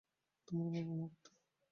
তোমার বাবা-মা কোথায়?